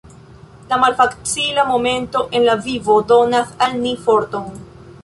La malfacila momento en la vivo donas al ni forton.